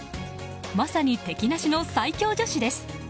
まさに敵なしの最強女子です。